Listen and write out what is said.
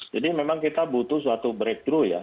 jadi memang kita butuh suatu breakthrough ya